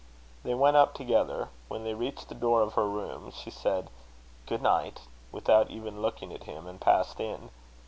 They went up together. When they reached the door of her room, she said, "Good night," without even looking at him, and passed in.